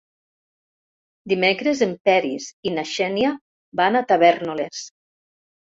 Dimecres en Peris i na Xènia van a Tavèrnoles.